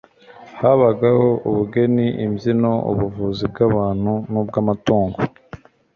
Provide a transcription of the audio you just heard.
habagaho ubugeni imbyino, ubuvuzi bw'abantu n'ubw'amatungo